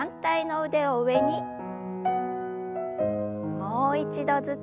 もう一度ずつ。